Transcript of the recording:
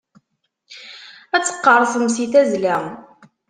Ad teqqerṣem si tazla.